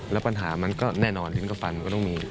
แล้วปัญหามันก็แน่นอนเห็นกับฟันมันก็ต้องมี